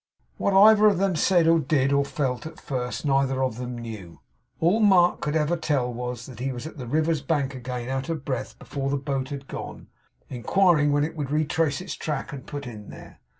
What either of them said, or did, or felt, at first, neither of them knew. All Mark could ever tell was, that he was at the river's bank again out of breath, before the boat had gone, inquiring when it would retrace its track and put in there.